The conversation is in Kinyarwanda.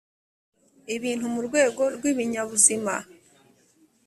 ibintu mu rwego rw ibinyabuzima